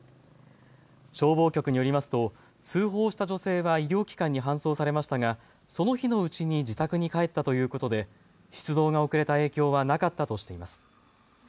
消防局によりますと通報した女性は医療機関に搬送されましたが、その日のうちに自宅に帰ったということで出動が遅れた影響はなかったとしています。